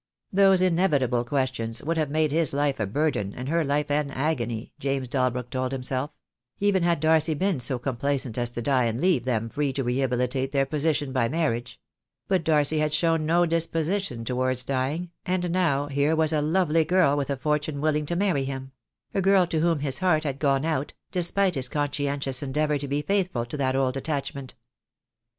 Those inevitable questions would have made his life a burden and her life an agony, James Dalbrook told himself; even had Darcy been so complaisant as to die and leave them free to rehabilitate their position by mar riage; but Darcy had shown no disposition towards dying, 2 14 THE DAY WILL COME. and now here was a lovely girl with a fortune willing to marry him — a girl to whom his heart had gone out, despite his conscientious endeavour to be faithful to that old attachment.